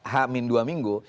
dua h dua minggu